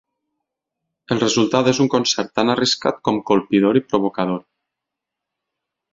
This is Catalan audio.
El resultat és un concert tan arriscat com colpidor i provocador.